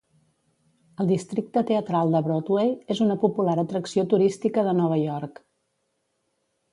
El districte teatral de Broadway és una popular atracció turística de Nova York.